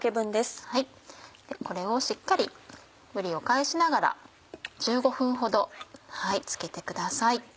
これをしっかりぶりを返しながら１５分ほどつけてください。